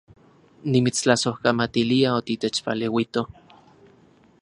Nimitstlasojkamatilia otitechpaleuito